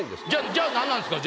じゃあ。